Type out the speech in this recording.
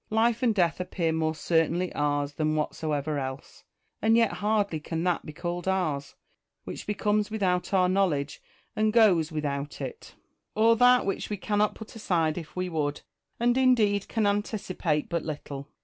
Life and death appear more certainly ours than whatsoever else ; and yet hardly can that be called ours, which comes without our knowledge, and goes without it ; or that which we cannot put aside if we would, and indeed can anticipate but little.